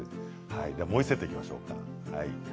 もう１セットいきましょうか。